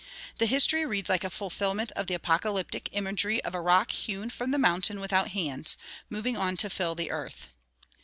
The history reads like a fulfillment of the apocalyptic imagery of a rock hewn from the mountain without hands, moving on to fill the earth.